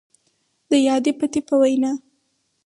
د يادې پتې په وينا،